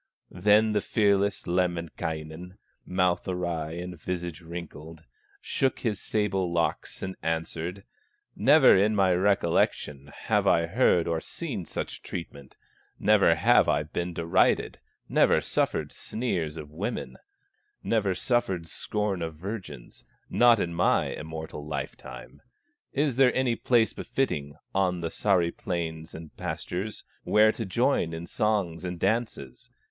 Then the fearless Lemminkainen, Mouth awry and visage wrinkled, Shook his sable locks and answered: "Never in my recollection Have I heard or seen such treatment, Never have I been derided, Never suffered sneers of women, Never suffered scorn of virgins, Not in my immortal life time. Is there any place befitting On the Sahri plains and pastures, Where to join in songs and dances?